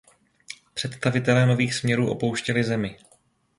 Představitelé nových směrů opouštěli zemi.